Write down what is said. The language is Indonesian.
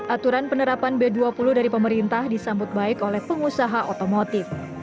aturan penerapan b dua puluh dari pemerintah disambut baik oleh pengusaha otomotif